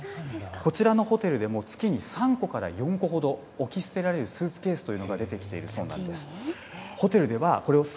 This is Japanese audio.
こちらのホテルでも月に３個から４個ほど置き捨てられるスーツケースというのが出てきているそうなんです。